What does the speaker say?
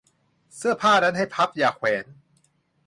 เสื้อผ้านั้นให้พับอย่าแขวน